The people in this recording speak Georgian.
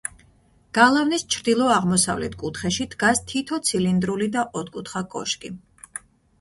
გალავნის ჩრდილო-აღმოსავლეთ კუთხეში დგას თითო ცილინდრული და ოთხკუთხა კოშკი.